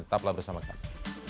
tetaplah bersama kami